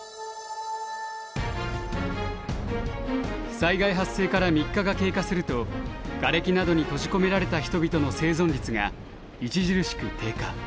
災害発生から３日が経過するとガレキなどに閉じ込められた人々の生存率が著しく低下。